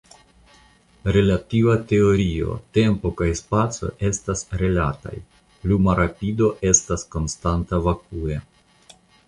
Relativa Teorio: Tempo kaj spaco estas relataj; luma rapido estas konstanta vakue.